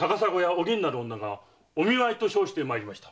お吟なる女がお見舞いと称して参りました。